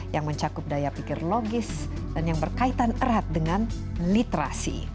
yang mencakup daya pikir logis dan yang berkaitan erat dengan literasi